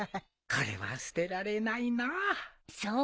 これは捨てられないのう。